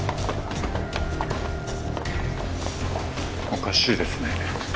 おかしいですね。